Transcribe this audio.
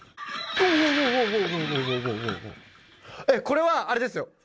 えっ、これはあれですよ。